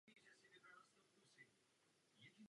Je řízena Okresním fotbalovým svazem Blansko.